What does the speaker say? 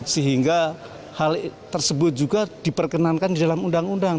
sehingga hal tersebut juga diperkenankan di dalam undang undang